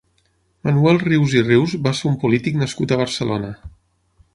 Manuel Rius i Rius va ser un polític nascut a Barcelona.